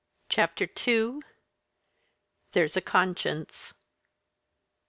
CHAPTER II THERE'S A CONSCIENCE!